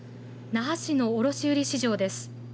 那覇市の卸売市場です。